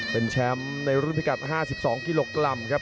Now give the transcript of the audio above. เป็นแชมป์ในรุ่นพิกัด๕๒กิโลกรัมครับ